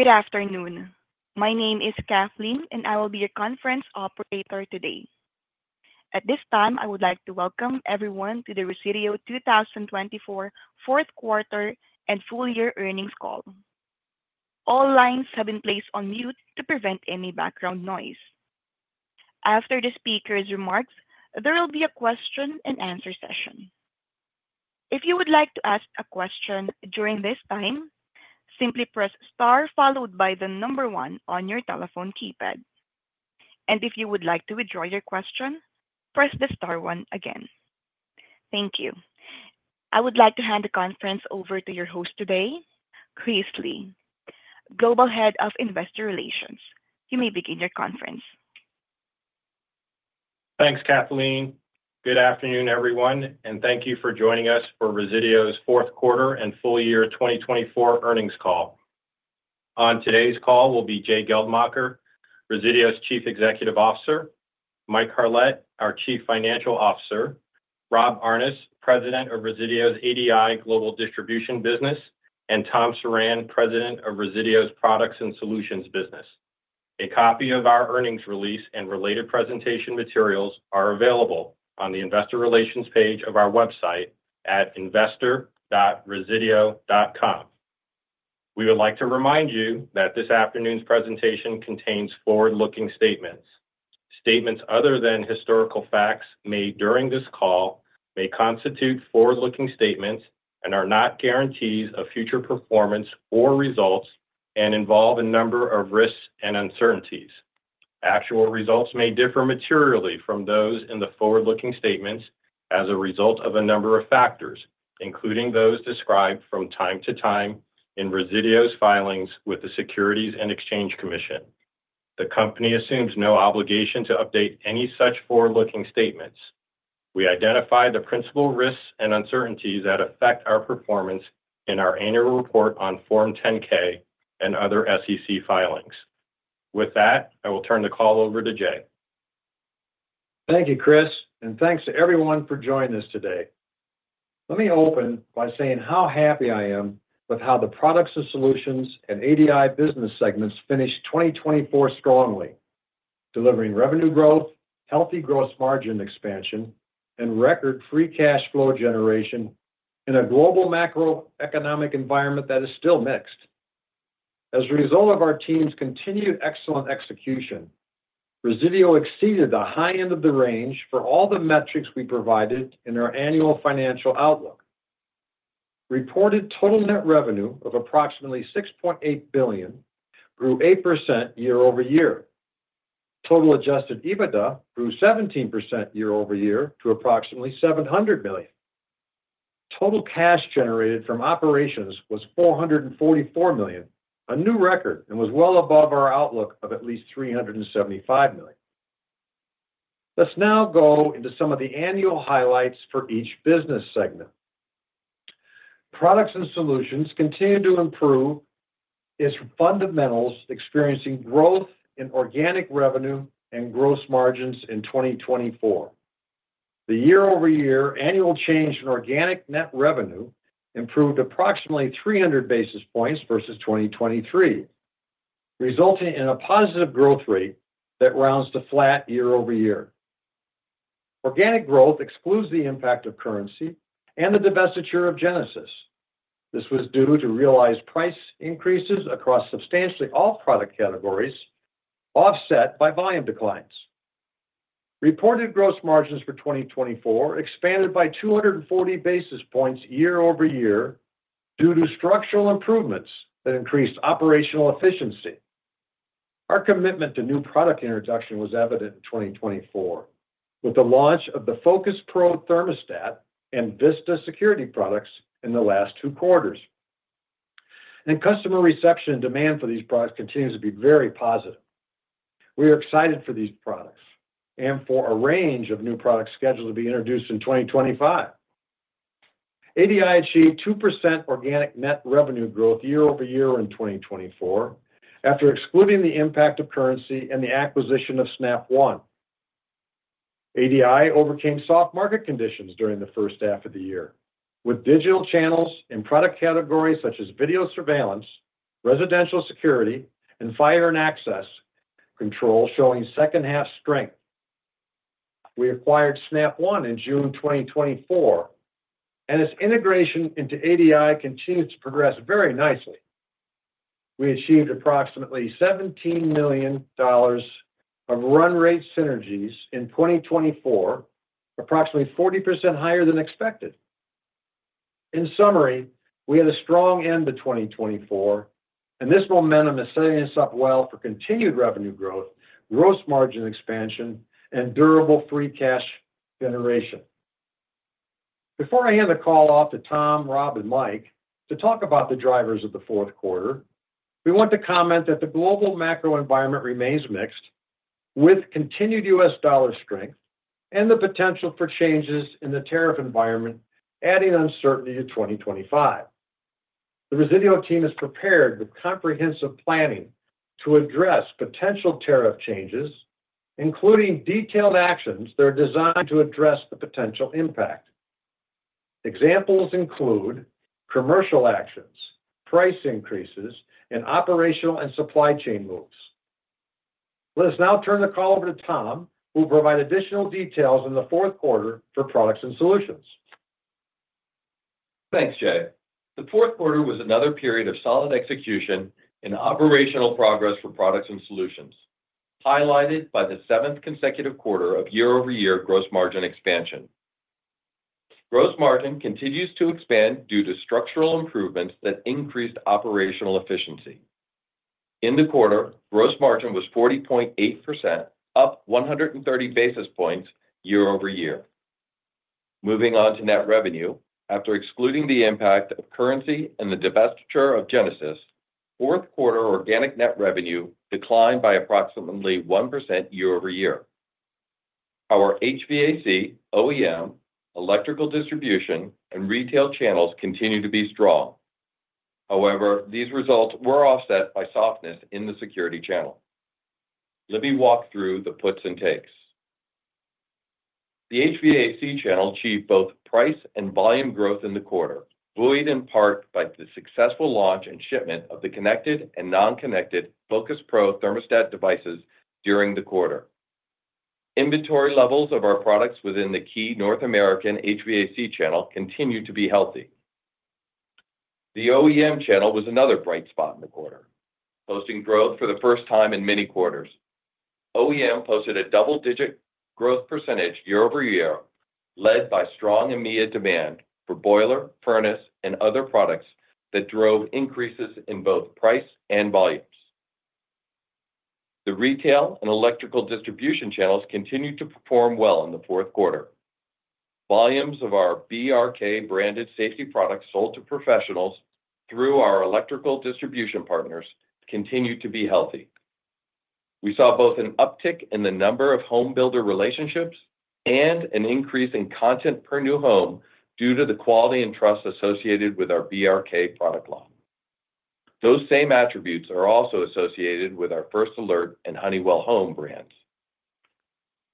Good afternoon. My name is Kathleen, and I will be your conference operator today. At this time, I would like to welcome everyone to the Resideo 2024 Fourth Quarter and Full Year Earnings Call. All lines have been placed on mute to prevent any background noise. After the speaker's remarks, there will be a question-and-answer session. If you would like to ask a question during this time, simply press star followed by the number one on your telephone keypad. And if you would like to withdraw your question, press the star one again. Thank you. I would like to hand the conference over to your host today, Chris Lee, Global Head of Investor Relations. You may begin your conference. Thanks, Kathleen. Good afternoon, everyone, and thank you for joining us for Resideo's Fourth Quarter and Full Year 2024 Earnings Call. On today's call will be Jay Geldmacher, Resideo's Chief Executive Officer, Mike Carlet, our Chief Financial Officer, Rob Aarnes, President of Resideo's ADI Global Distribution Business, and Tom Surran, President of Resideo's Products and Solutions Business. A copy of our earnings release and related presentation materials are available on the Investor Relations page of our website at investor.resideo.com. We would like to remind you that this afternoon's presentation contains forward-looking statements. Statements other than historical facts made during this call may constitute forward-looking statements and are not guarantees of future performance or results and involve a number of risks and uncertainties. Actual results may differ materially from those in the forward-looking statements as a result of a number of factors, including those described from time to time in Resideo's filings with the Securities and Exchange Commission. The company assumes no obligation to update any such forward-looking statements. We identify the principal risks and uncertainties that affect our performance in our annual report on Form 10-K and other SEC filings. With that, I will turn the call over to Jay. Thank you, Chris, and thanks to everyone for joining us today. Let me open by saying how happy I am with how the Products and Solutions and ADI business segments finished 2024 strongly, delivering revenue growth, healthy gross margin expansion, and record free cash flow generation in a global macroeconomic environment that is still mixed. As a result of our team's continued excellent execution, Resideo exceeded the high end of the range for all the metrics we provided in our annual financial outlook. Reported total net revenue of approximately $6.8 billion grew 8% year over year. Total Adjusted EBITDA grew 17% year over year to approximately $700 million. Total cash generated from operations was $444 million, a new record, and was well above our outlook of at least $375 million. Let's now go into some of the annual highlights for each business segment. Products and Solutions continued to improve its fundamentals, experiencing growth in organic revenue and gross margins in 2024. The year-over-year annual change in organic net revenue improved approximately 300 basis points versus 2023, resulting in a positive growth rate that rounds to flat year over year. Organic growth excludes the impact of currency and the divestiture of Genesis. This was due to realized price increases across substantially all product categories, offset by volume declines. Reported gross margins for 2024 expanded by 240 basis points year over year due to structural improvements that increased operational efficiency. Our commitment to new product introduction was evident in 2024, with the launch of the FocusPRO thermostat and VISTA security products in the last two quarters, and customer reception and demand for these products continues to be very positive. We are excited for these products and for a range of new products scheduled to be introduced in 2025. ADI achieved 2% organic net revenue growth year over year in 2024 after excluding the impact of currency and the acquisition of Snap One. ADI overcame soft market conditions during the first half of the year, with digital channels in product categories such as video surveillance, residential security, and fire and access control showing second-half strength. We acquired Snap One in June 2024, and its integration into ADI continues to progress very nicely. We achieved approximately $17 million of run rate synergies in 2024, approximately 40% higher than expected. In summary, we had a strong end to 2024, and this momentum is setting us up well for continued revenue growth, gross margin expansion, and durable free cash generation. Before I hand the call off to Tom, Rob, and Mike to talk about the drivers of the fourth quarter, we want to comment that the global macro environment remains mixed, with continued U.S. dollar strength and the potential for changes in the tariff environment adding uncertainty to 2025. The Resideo team is prepared with comprehensive planning to address potential tariff changes, including detailed actions that are designed to address the potential impact. Examples include commercial actions, price increases, and operational and supply chain moves. Let us now turn the call over to Tom, who will provide additional details in the fourth quarter for Products and Solutions. Thanks, Jay. The fourth quarter was another period of solid execution and operational progress for Products and Solutions, highlighted by the seventh consecutive quarter of year-over-year gross margin expansion. Gross margin continues to expand due to structural improvements that increased operational efficiency. In the quarter, gross margin was 40.8%, up 130 basis points year over year. Moving on to net revenue, after excluding the impact of currency and the divestiture of Genesis, fourth quarter organic net revenue declined by approximately 1% year over year. Our HVAC, OEM, electrical distribution, and retail channels continue to be strong. However, these results were offset by softness in the security channel. Let me walk through the puts and takes. The HVAC channel achieved both price and volume growth in the quarter, buoyed in part by the successful launch and shipment of the connected and non-connected FocusPRO thermostat devices during the quarter. Inventory levels of our products within the key North American HVAC channel continue to be healthy. The OEM channel was another bright spot in the quarter, posting growth for the first time in many quarters. OEM posted a double-digit growth percentage year over year, led by strong EMEA demand for boiler, furnace, and other products that drove increases in both price and volumes. The retail and electrical distribution channels continued to perform well in the fourth quarter. Volumes of our BRK branded safety products sold to professionals through our electrical distribution partners continued to be healthy. We saw both an uptick in the number of home builder relationships and an increase in content per new home due to the quality and trust associated with our BRK product line. Those same attributes are also associated with our First Alert and Honeywell Home brands.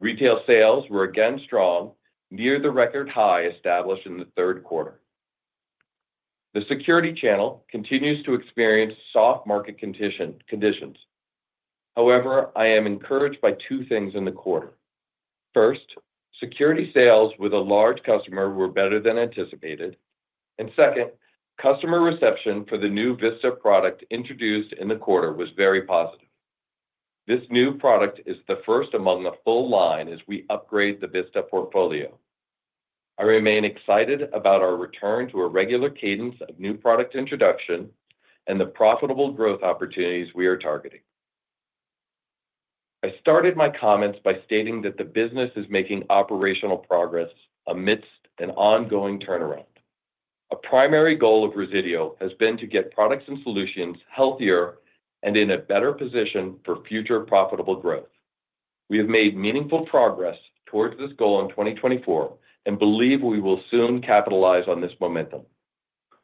Retail sales were again strong, near the record high established in the third quarter. The security channel continues to experience soft market conditions. However, I am encouraged by two things in the quarter. First, security sales with a large customer were better than anticipated, and second, customer reception for the new VISTA product introduced in the quarter was very positive. This new product is the first among a full line as we upgrade the VISTA portfolio. I remain excited about our return to a regular cadence of new product introduction and the profitable growth opportunities we are targeting. I started my comments by stating that the business is making operational progress amidst an ongoing turnaround. A primary goal of Resideo has been to get Products and Solutions healthier and in a better position for future profitable growth. We have made meaningful progress towards this goal in 2024 and believe we will soon capitalize on this momentum.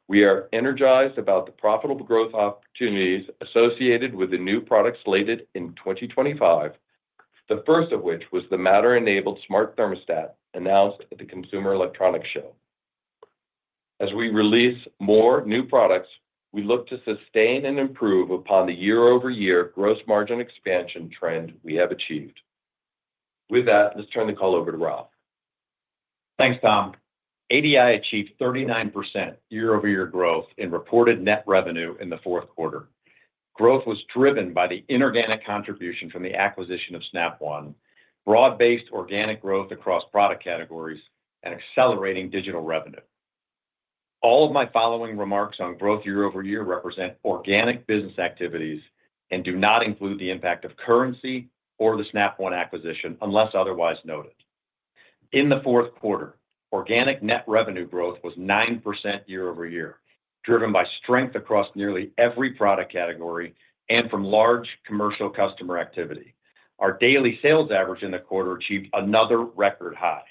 We are energized about the profitable growth opportunities associated with the new products slated in 2025, the first of which was the Matter-enabled smart thermostat announced at the Consumer Electronics Show. As we release more new products, we look to sustain and improve upon the year-over-year gross margin expansion trend we have achieved. With that, let's turn the call over to Rob. Thanks, Tom. ADI achieved 39% year-over-year growth in reported net revenue in the fourth quarter. Growth was driven by the inorganic contribution from the acquisition of Snap One, broad-based organic growth across product categories, and accelerating digital revenue. All of my following remarks on growth year over year represent organic business activities and do not include the impact of currency or the Snap One acquisition unless otherwise noted. In the fourth quarter, organic net revenue growth was 9% year over year, driven by strength across nearly every product category and from large commercial customer activity. Our daily sales average in the quarter achieved another record high.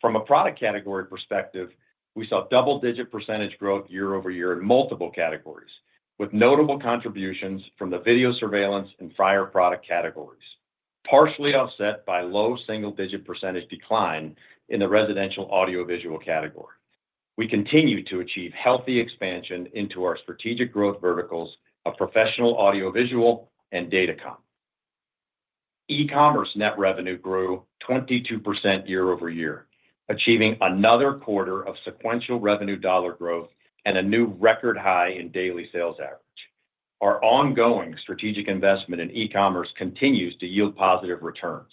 From a product category perspective, we saw double-digit percentage growth year over year in multiple categories, with notable contributions from the video surveillance and fire product categories, partially offset by low single-digit percentage decline in the residential audiovisual category. We continue to achieve healthy expansion into our strategic growth verticals of professional audiovisual and datacom. E-commerce net revenue grew 22% year over year, achieving another quarter of sequential revenue dollar growth and a new record high in daily sales average. Our ongoing strategic investment in e-commerce continues to yield positive returns.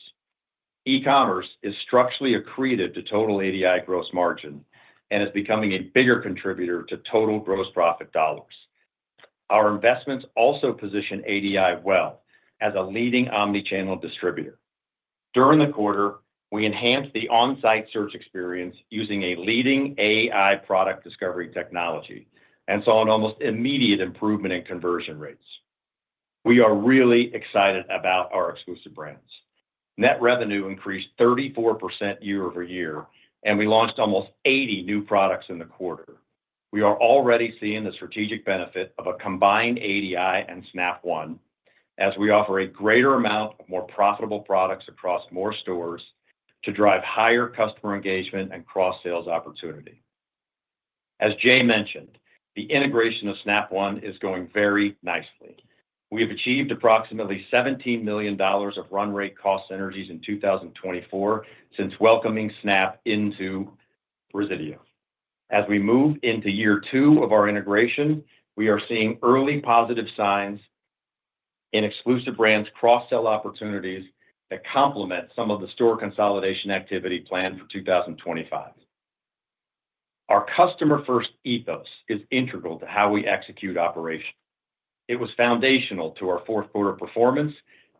E-commerce is structurally accretive to total ADI gross margin and is becoming a bigger contributor to total gross profit dollars. Our investments also position ADI well as a leading omnichannel distributor. During the quarter, we enhanced the on-site search experience using a leading AI product discovery technology and saw an almost immediate improvement in conversion rates. We are really excited about our exclusive brands. Net revenue increased 34% year over year, and we launched almost 80 new products in the quarter. We are already seeing the strategic benefit of a combined ADI and Snap One, as we offer a greater amount of more profitable products across more stores to drive higher customer engagement and cross-sales opportunity. As Jay mentioned, the integration of Snap One is going very nicely. We have achieved approximately $17 million of run rate cost synergies in 2024 since welcoming Snap into Resideo. As we move into year two of our integration, we are seeing early positive signs in exclusive brands' cross-sell opportunities that complement some of the store consolidation activity planned for 2025. Our customer-first ethos is integral to how we execute operations. It was foundational to our fourth quarter performance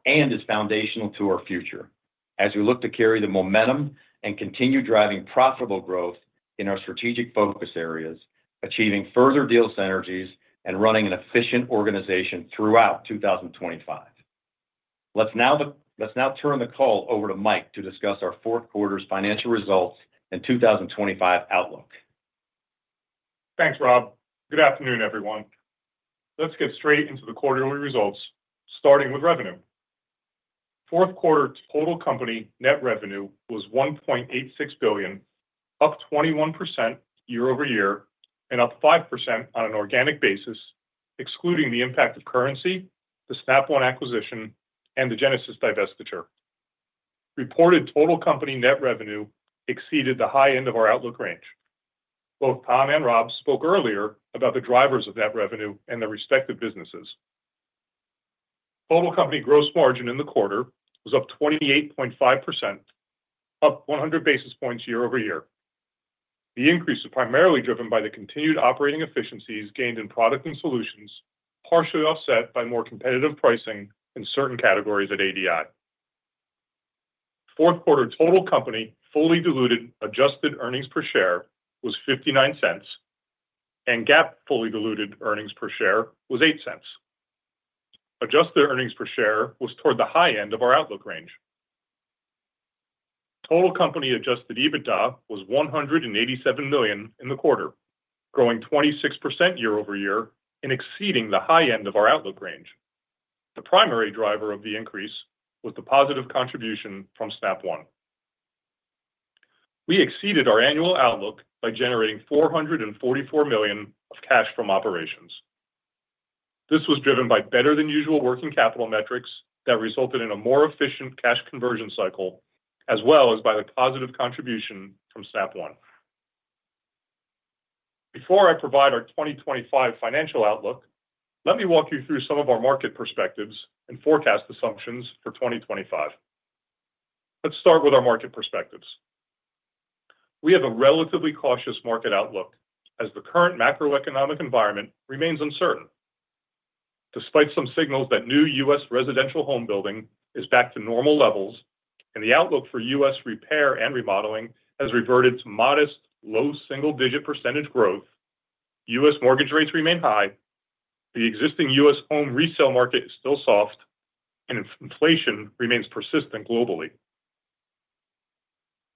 and is foundational to our future, as we look to carry the momentum and continue driving profitable growth in our strategic focus areas, achieving further deal synergies and running an efficient organization throughout 2025. Let's now turn the call over to Mike to discuss our fourth quarter's financial results and 2025 outlook. Thanks, Rob. Good afternoon, everyone. Let's get straight into the quarterly results, starting with revenue. Fourth quarter total company net revenue was $1.86 billion, up 21% year over year and up 5% on an organic basis, excluding the impact of currency, the Snap One acquisition, and the Genesis divestiture. Reported total company net revenue exceeded the high end of our outlook range. Both Tom and Rob spoke earlier about the drivers of that revenue and their respective businesses. Total company gross margin in the quarter was up 28.5%, up 100 basis points year over year. The increase is primarily driven by the continued operating efficiencies gained in Products and Solutions, partially offset by more competitive pricing in certain categories at ADI. Fourth quarter total company fully diluted adjusted earnings per share was $0.59, and GAAP fully diluted earnings per share was $0.08. Adjusted earnings per share was toward the high end of our outlook range. Total company Adjusted EBITDA was $187 million in the quarter, growing 26% year over year and exceeding the high end of our outlook range. The primary driver of the increase was the positive contribution from Snap One. We exceeded our annual outlook by generating $444 million of cash from operations. This was driven by better-than-usual working capital metrics that resulted in a more efficient cash conversion cycle, as well as by the positive contribution from Snap One. Before I provide our 2025 financial outlook, let me walk you through some of our market perspectives and forecast assumptions for 2025. Let's start with our market perspectives. We have a relatively cautious market outlook as the current macroeconomic environment remains uncertain. Despite some signals that new U.S. residential home building is back to normal levels and the outlook for U.S. repair and remodeling has reverted to modest low single-digit % growth, U.S. mortgage rates remain high, the existing U.S. home resale market is still soft, and inflation remains persistent globally.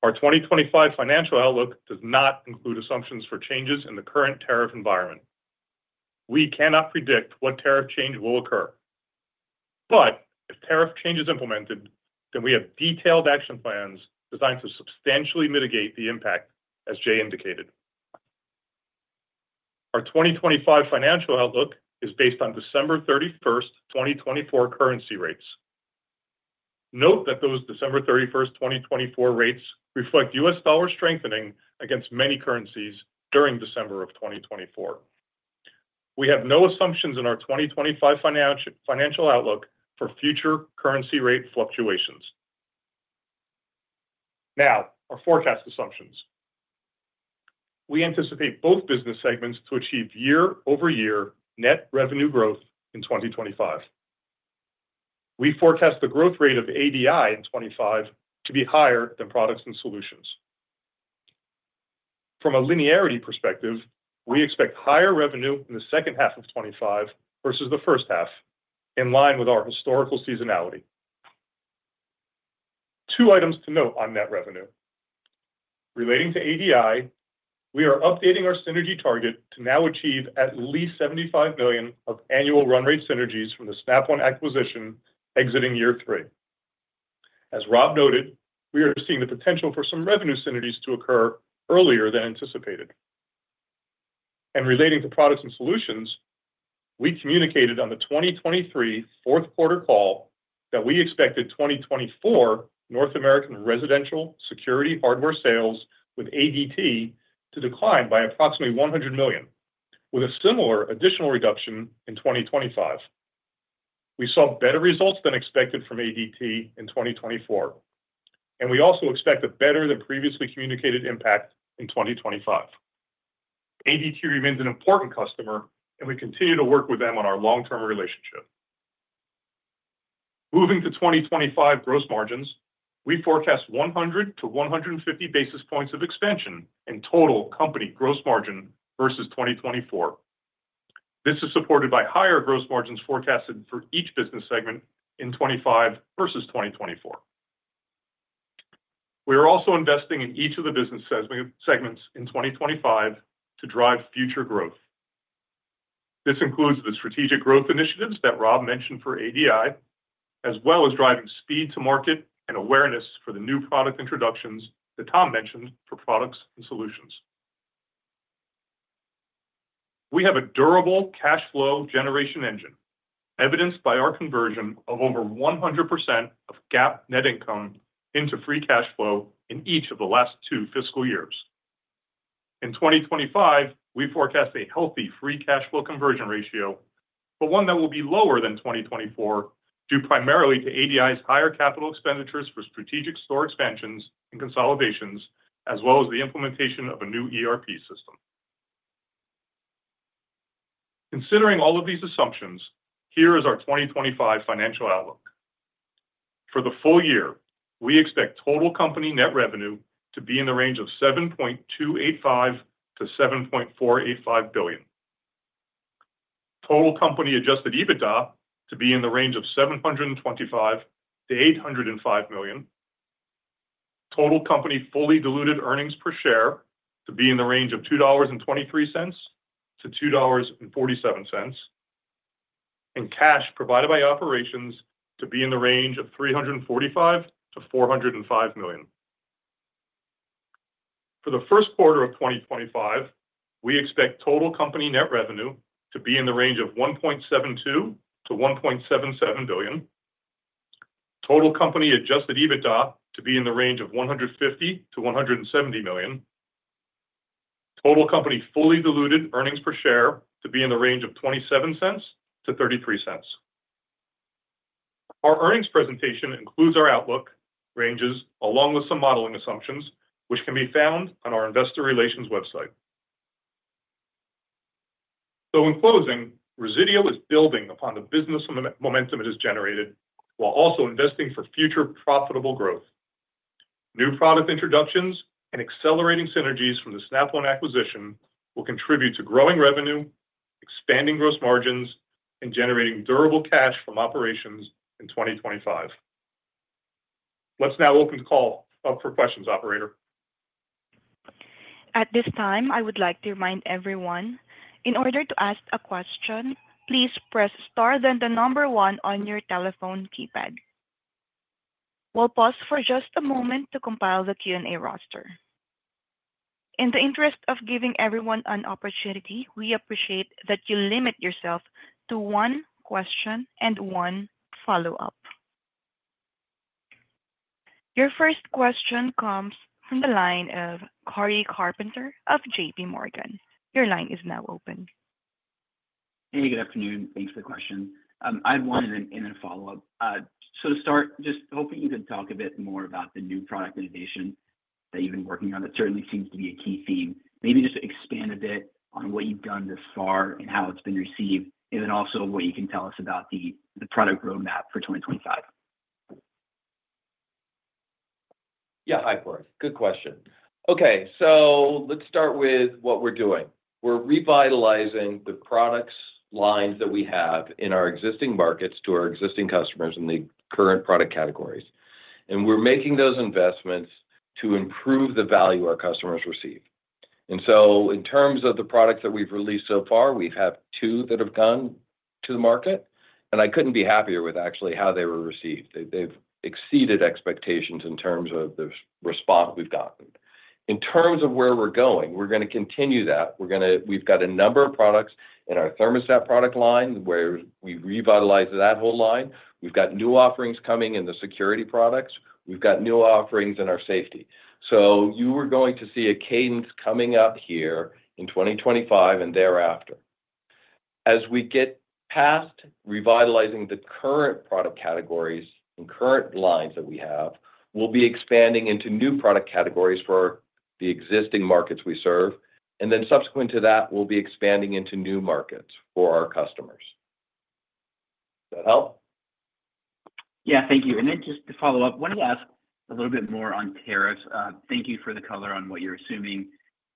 Our 2025 financial outlook does not include assumptions for changes in the current tariff environment. We cannot predict what tariff change will occur. But if tariff change is implemented, then we have detailed action plans designed to substantially mitigate the impact, as Jay indicated. Our 2025 financial outlook is based on December 31st, 2024 currency rates. Note that those December 31st, 2024 rates reflect U.S. dollar strengthening against many currencies during December of 2024. We have no assumptions in our 2025 financial outlook for future currency rate fluctuations. Now, our forecast assumptions. We anticipate both business segments to achieve year-over-year net revenue growth in 2025. We forecast the growth rate of ADI in 2025 to be higher than Products and Solutions. From a linearity perspective, we expect higher revenue in the second half of 2025 versus the first half, in line with our historical seasonality. Two items to note on net revenue. Relating to ADI, we are updating our synergy target to now achieve at least $75 million of annual run rate synergies from the Snap One acquisition exiting year three. As Rob noted, we are seeing the potential for some revenue synergies to occur earlier than anticipated. And relating to Products and Solutions, we communicated on the 2023 fourth quarter call that we expected 2024 North American residential security hardware sales with ADT to decline by approximately $100 million, with a similar additional reduction in 2025. We saw better results than expected from ADT in 2024, and we also expect a better than previously communicated impact in 2025. ADT remains an important customer, and we continue to work with them on our long-term relationship. Moving to 2025 gross margins, we forecast 100-150 basis points of expansion in total company gross margin versus 2024. This is supported by higher gross margins forecasted for each business segment in 2025 versus 2024. We are also investing in each of the business segments in 2025 to drive future growth. This includes the strategic growth initiatives that Rob mentioned for ADI, as well as driving speed to market and awareness for the new product introductions that Tom mentioned for Products and Solutions. We have a durable cash flow generation engine, evidenced by our conversion of over 100% of GAAP net income into free cash flow in each of the last two fiscal years. In 2025, we forecast a healthy free cash flow conversion ratio, but one that will be lower than 2024 due primarily to ADI's higher capital expenditures for strategic store expansions and consolidations, as well as the implementation of a new ERP system. Considering all of these assumptions, here is our 2025 financial outlook. For the full year, we expect total company net revenue to be in the range of $7.285-$7.485 billion, total company Adjusted EBITDA to be in the range of $725-$805 million, total company fully diluted earnings per share to be in the range of $2.23-$2.47, and cash provided by operations to be in the range of $345-$405 million. For the first quarter of 2025, we expect total company net revenue to be in the range of $1.72-$1.77 billion, total company Adjusted EBITDA to be in the range of $150-$170 million, total company fully diluted earnings per share to be in the range of $0.27-$0.33. Our earnings presentation includes our outlook ranges, along with some modeling assumptions, which can be found on our investor relations website. So in closing, Resideo is building upon the business momentum it has generated while also investing for future profitable growth. New product introductions and accelerating synergies from the Snap One acquisition will contribute to growing revenue, expanding gross margins, and generating durable cash from operations in 2025. Let's now open the call up for questions, operator. At this time, I would like to remind everyone, in order to ask a question, please press star then the number one on your telephone keypad. We'll pause for just a moment to compile the Q&A roster. In the interest of giving everyone an opportunity, we appreciate that you limit yourself to one question and one follow-up. Your first question comes from the line of Cory Carpenter of JPMorgan. Your line is now open. Hey, good afternoon. Thanks for the question. I had one in a follow-up. So to start, just hoping you could talk a bit more about the new product innovation that you've been working on. It certainly seems to be a key theme. Maybe just expand a bit on what you've done thus far and how it's been received, and then also what you can tell us about the product roadmap for 2025. Yeah, hi Cory. Good question. Okay, so let's start with what we're doing. We're revitalizing the product lines that we have in our existing markets to our existing customers in the current product categories, and we're making those investments to improve the value our customers receive, and so in terms of the products that we've released so far, we have two that have gone to the market, and I couldn't be happier with actually how they were received. They've exceeded expectations in terms of the response we've gotten. In terms of where we're going, we're going to continue that. We've got a number of products in our thermostat product line where we've revitalized that whole line. We've got new offerings coming in the security products. We've got new offerings in our safety, so you are going to see a cadence coming up here in 2025 and thereafter. As we get past revitalizing the current product categories and current lines that we have, we'll be expanding into new product categories for the existing markets we serve, and then subsequent to that, we'll be expanding into new markets for our customers. Does that help? Yeah, thank you. And then just to follow up, I wanted to ask a little bit more on tariffs. Thank you for the color on what you're assuming.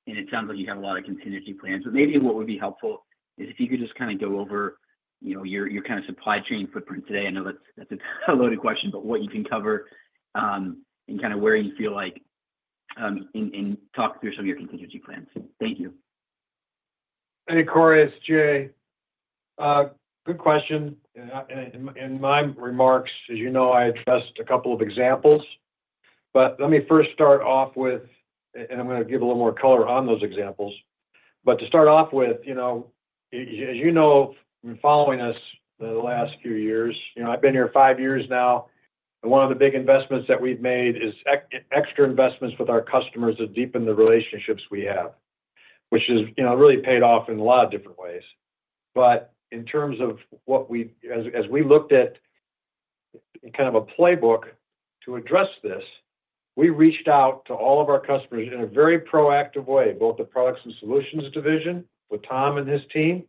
And it sounds like you have a lot of continuity plans. But maybe what would be helpful is if you could just kind of go over your kind of supply chain footprint today. I know that's a loaded question, but what you can cover, and kind of where you feel like, and talk through some of your continuity plans. Thank you. Hey, Cory, it's Jay. Good question. In my remarks, as you know, I addressed a couple of examples. But let me first start off with, and I'm going to give a little more color on those examples. But to start off with, as you know, you've been following us the last few years. I've been here five years now, and one of the big investments that we've made is extra investments with our customers to deepen the relationships we have, which has really paid off in a lot of different ways. But in terms of what we, as we looked at kind of a playbook to address this, we reached out to all of our customers in a very proactive way, both the Products and Solutions Division with Tom and his team,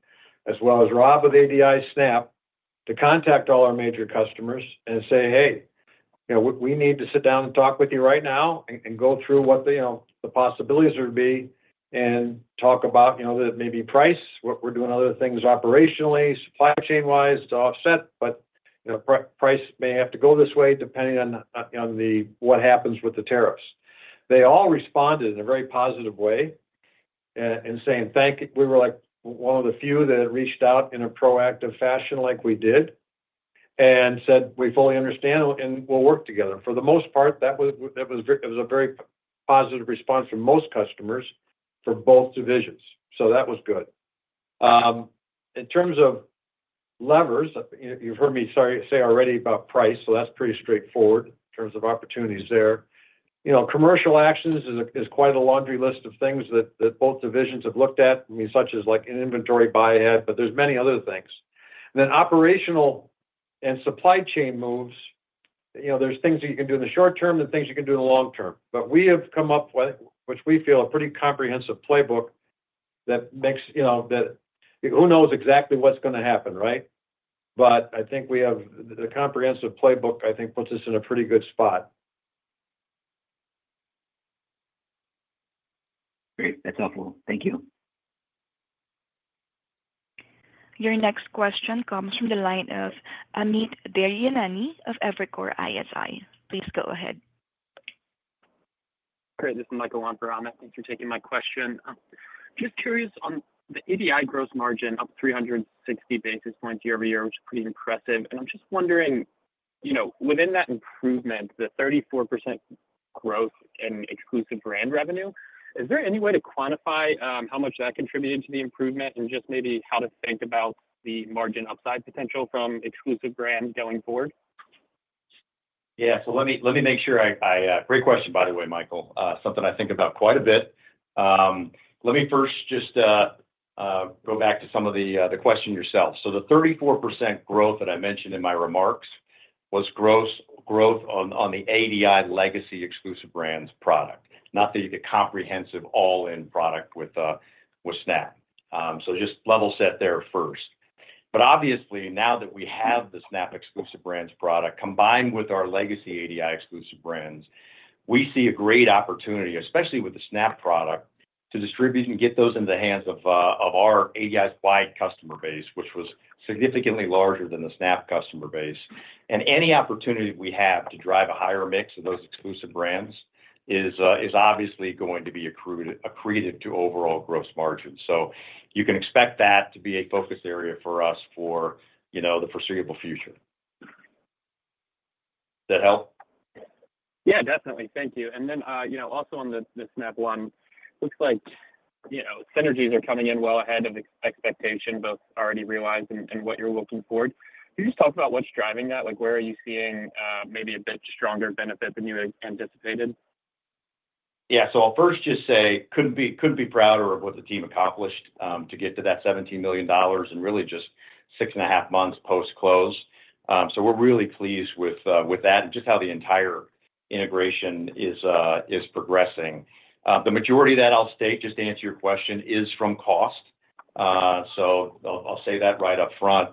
as well as Rob with ADI and Snap, to contact all our major customers and say, "Hey, we need to sit down and talk with you right now and go through what the possibilities would be and talk about that maybe price, what we're doing other things operationally, supply chain-wise to offset, but price may have to go this way depending on what happens with the tariffs." They all responded in a very positive way and saying, "Thank you." We were like one of the few that reached out in a proactive fashion like we did and said, "We fully understand and we'll work together." For the most part, that was a very positive response from most customers for both divisions. So that was good. In terms of levers, you've heard me say already about price, so that's pretty straightforward in terms of opportunities there. Commercial actions is quite a laundry list of things that both divisions have looked at, I mean, such as an inventory buy ahead, but there's many other things. And then operational and supply chain moves, there's things that you can do in the short term and things you can do in the long term. But we have come up with, which we feel, a pretty comprehensive playbook that makes that who knows exactly what's going to happen, right? But I think we have the comprehensive playbook, I think, puts us in a pretty good spot. Great. That's helpful. Thank you. Your next question comes from the line of Amit Daryanani of Evercore ISI. Please go ahead. Great. This is Michael Pramberger. Thanks for taking my question. Just curious on the ADI gross margin up 360 basis points year over year, which is pretty impressive. I'm just wondering, within that improvement, the 34% growth in exclusive brand revenue, is there any way to quantify how much that contributed to the improvement and just maybe how to think about the margin upside potential from exclusive brand going forward? Yeah, so let me make sure I. Great question, by the way, Michael. Something I think about quite a bit. Let me first just go back to answer your question. The 34% growth that I mentioned in my remarks was gross growth on the ADI legacy exclusive brands product, not the comprehensive all-in product with Snap. Just level set there first. But obviously, now that we have the Snap exclusive brands product combined with our legacy ADI exclusive brands, we see a great opportunity, especially with the Snap product, to distribute and get those into the hands of our ADI's wide customer base, which was significantly larger than the Snap customer base. Any opportunity we have to drive a higher mix of those exclusive brands is obviously going to be attributed to overall gross margin. So you can expect that to be a focus area for us for the foreseeable future. Does that help? Yeah, definitely. Thank you. And then also on the Snap One, looks like synergies are coming in well ahead of expectation, both already realized and what you're looking forward. Can you just talk about what's driving that? Where are you seeing maybe a bit stronger benefit than you anticipated? Yeah. So I'll first just say, couldn't be prouder of what the team accomplished to get to that $17 million and really just six and a half months post-close. So we're really pleased with that and just how the entire integration is progressing. The majority of that, I'll state, just to answer your question, is from cost. So I'll say that right up front.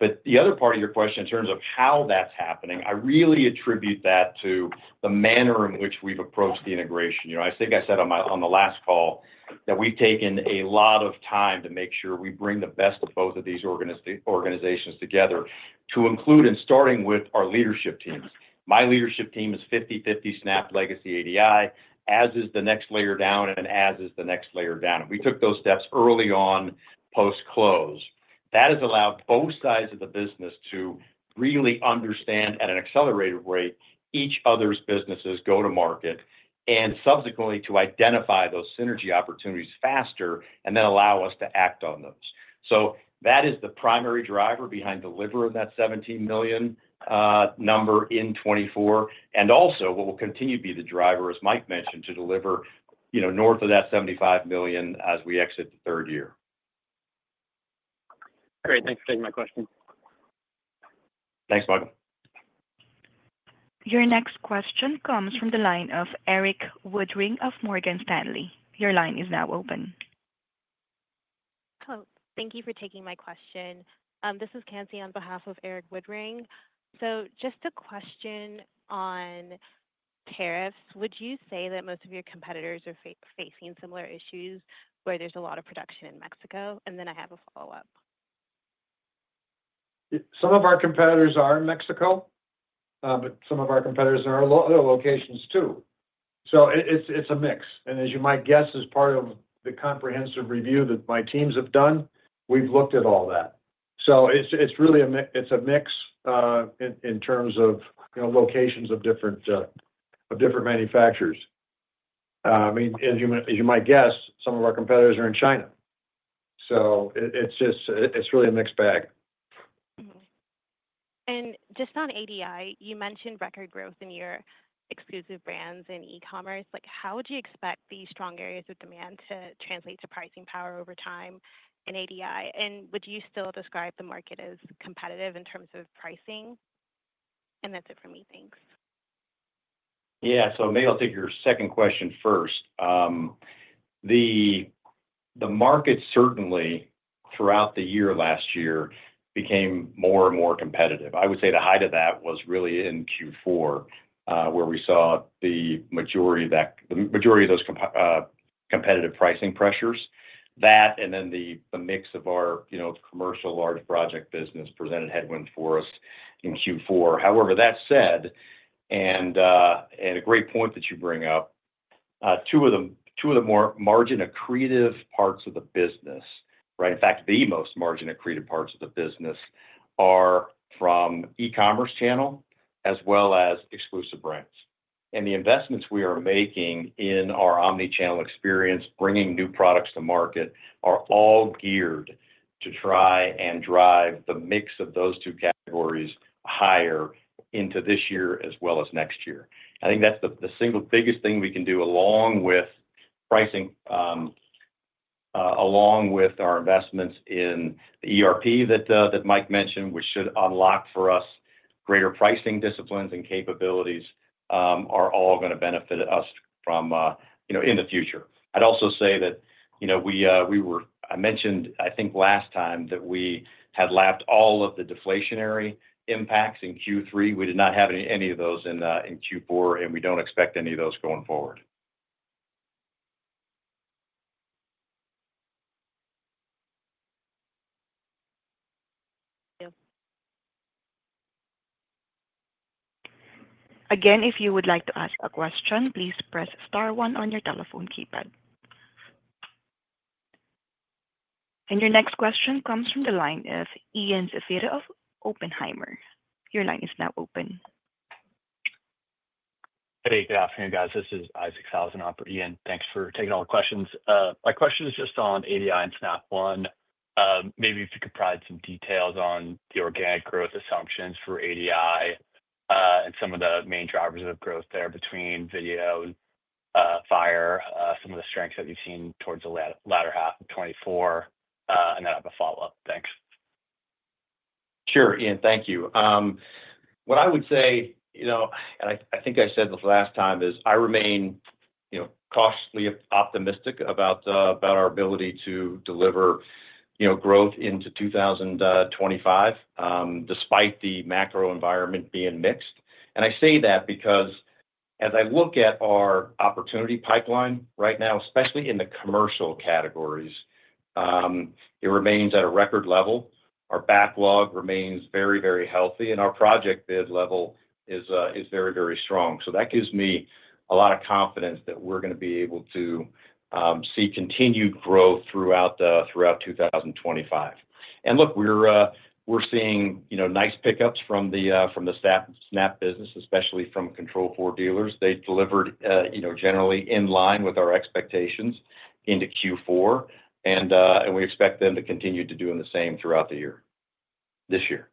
But the other part of your question in terms of how that's happening, I really attribute that to the manner in which we've approached the integration. I think I said on the last call that we've taken a lot of time to make sure we bring the best of both of these organizations together to include in starting with our leadership teams. My leadership team is 50/50 Snap legacy ADI, as is the next layer down, and as is the next layer down. And we took those steps early on post-close. That has allowed both sides of the business to really understand at an accelerated rate each other's business's go-to-market and subsequently to identify those synergy opportunities faster and then allow us to act on those. So that is the primary driver behind delivering that $17 million number in 2024. And also what will continue to be the driver, as Mike mentioned, to deliver north of that $75 million as we exit the third year. Great. Thanks for taking my question. Thanks, Michael. Your next question comes from the line of Eric Woodring of Morgan Stanley. Your line is now open. Hello. Thank you for taking my question. This is Kelsey on behalf of Eric Woodring. Just a question on tariffs. Would you say that most of your competitors are facing similar issues where there's a lot of production in Mexico? I have a follow-up. Some of our competitors are in Mexico, but some of our competitors are in other locations too. So it's a mix. And as you might guess, as part of the comprehensive review that my teams have done, we've looked at all that. So it's really a mix in terms of locations of different manufacturers. I mean, as you might guess, some of our competitors are in China. So it's really a mixed bag. Just on ADI, you mentioned record growth in your exclusive brands and e-commerce. How would you expect these strong areas of demand to translate to pricing power over time in ADI? And would you still describe the market as competitive in terms of pricing? And that's it for me. Thanks. Yeah. So maybe I'll take your second question first. The market certainly throughout the year last year became more and more competitive. I would say the height of that was really in Q4, where we saw the majority of those competitive pricing pressures. That and then the mix of our commercial large project business presented headwinds for us in Q4. However, that said, and a great point that you bring up, two of the more margin accretive parts of the business, right? In fact, the most margin accretive parts of the business are from e-commerce channel as well as exclusive brands. And the investments we are making in our omnichannel experience, bringing new products to market, are all geared to try and drive the mix of those two categories higher into this year as well as next year. I think that's the single biggest thing we can do along with pricing, along with our investments in the ERP that Mike mentioned, which should unlock for us greater pricing disciplines and capabilities, are all going to benefit us in the future. I'd also say that we were. I mentioned, I think last time that we had lapped all of the deflationary impacts in Q3. We did not have any of those in Q4, and we don't expect any of those going forward. Thank you. Again, if you would like to ask a question, please press star one on your telephone keypad. And your next question comes from the line of Ian Zaffino of Oppenheimer. Your line is now open. Hey, good afternoon, guys. This is Isaac Sellhausen for Ian. Thanks for taking all the questions. My question is just on ADI and Snap One. Maybe if you could provide some details on the organic growth assumptions for ADI and some of the main drivers of growth there between video and fire, some of the strengths that you've seen towards the latter half of 2024. And then I have a follow-up. Thanks. Sure, Ian, thank you. What I would say, and I think I said this last time, is I remain cautiously optimistic about our ability to deliver growth into 2025 despite the macro environment being mixed, and I say that because as I look at our opportunity pipeline right now, especially in the commercial categories, it remains at a record level. Our backlog remains very, very healthy, and our project bid level is very, very strong, so that gives me a lot of confidence that we're going to be able to see continued growth throughout 2025. And look, we're seeing nice pickups from the Snap business, especially from Control4 dealers. They delivered generally in line with our expectations into Q4, and we expect them to continue to do the same throughout this year.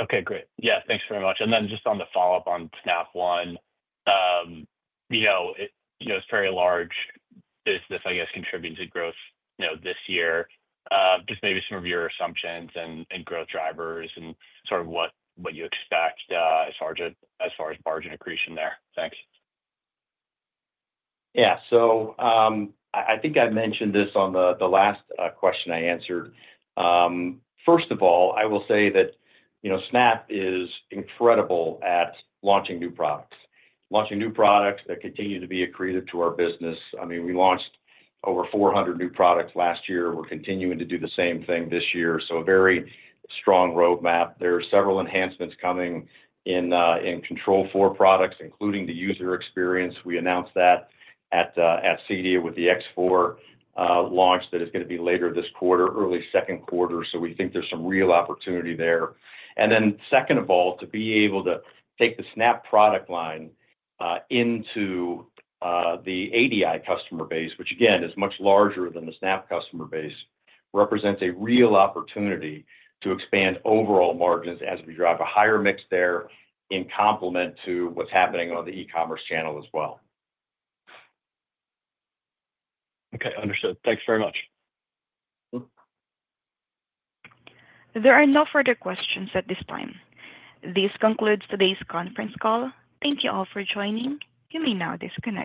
Okay, great. Yeah, thanks very much. And then just on the follow-up on Snap One, it's a very large business, I guess, contributing to growth this year. Just maybe some of your assumptions and growth drivers and sort of what you expect as far as margin accretion there. Thanks. Yeah. So I think I mentioned this on the last question I answered. First of all, I will say that Snap is incredible at launching new products, launching new products that continue to be accretive to our business. I mean, we launched over 400 new products last year. We're continuing to do the same thing this year. So a very strong roadmap. There are several enhancements coming in Control4 products, including the user experience. We announced that at CEDIA with the X4 launch that is going to be later this quarter, early second quarter. So we think there's some real opportunity there. And then second of all, to be able to take the Snap product line into the ADI customer base, which again, is much larger than the Snap customer base, represents a real opportunity to expand overall margins as we drive a higher mix there in complement to what's happening on the e-commerce channel as well. Okay, understood. Thanks very much. There are no further questions at this time. This concludes today's conference call. Thank you all for joining. You may now disconnect.